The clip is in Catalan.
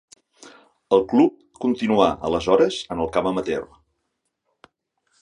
El club continuà aleshores en el camp amateur.